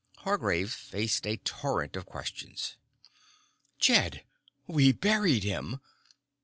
Hargraves faced a torrent of questions. "Jed! We buried him."